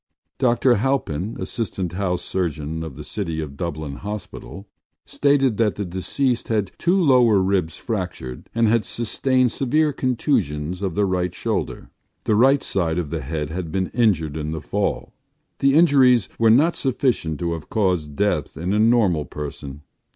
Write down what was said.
Dr Halpin, assistant house surgeon of the City of Dublin Hospital, stated that the deceased had two lower ribs fractured and had sustained severe contusions of the right shoulder. The right side of the head had been injured in the fall. The injuries were not sufficient to have caused death in a normal person.